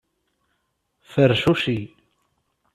Fercuci.